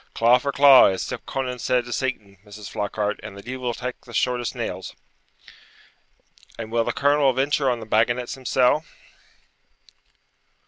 'Claw for claw, as Conan said to Satan, Mrs. Flockhart, and the deevil tak the shortest nails.' 'And will the colonel venture on the bagganets himsell?'